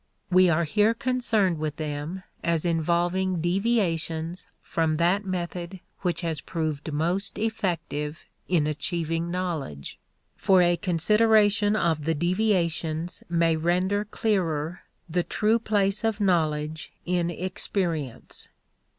We are here concerned with them as involving deviations from that method which has proved most effective in achieving knowledge, for a consideration of the deviations may render clearer the true place of knowledge in experience.